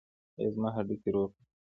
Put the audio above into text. ایا زما هډوکي روغ دي؟